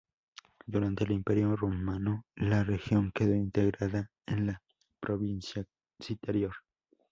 Durante el Imperio romano, la región quedó integrada en la provincia Citerior.